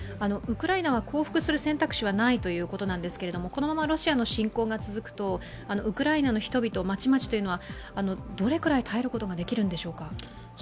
ウクライナは降伏する選択肢はないということなんですがこのままロシアの侵攻が続くとウクライナの人々、町々というのはどれくらい耐えることができるんでしょうか？